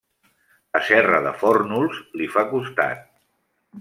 La serra de Fórnols li fa costat.